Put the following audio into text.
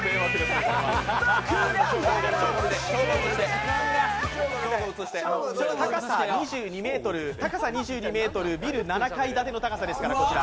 僕らはどうして高さ２２ｍ、ビル７階建ての高さですから、こちら。